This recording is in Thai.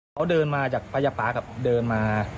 เขาเดินมาจากประหยับปะเดินมา